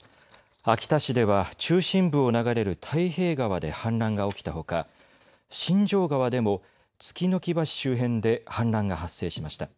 秋田市では中心部を流れる太平川で氾濫が起きたほか新城川でも槻ノ木橋周辺で氾濫が発生しました。